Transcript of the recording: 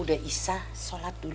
udah isa sholat dulu